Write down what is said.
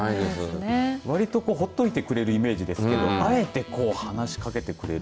わりとほっといてくれるイメージですけどあえて話し掛けてくれる。